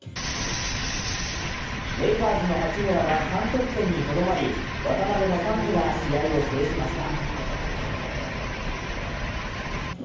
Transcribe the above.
レイカーズの八村は３得点にとどまり渡邊のサンズが試合を制しました。